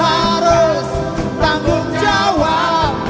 lo harus tanggung jawab